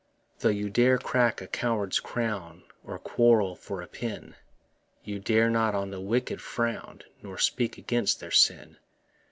Though you dare crack a coward's crown, Or quarrel for a pin, You dare not on the wicked frown, Nor speak against their sin.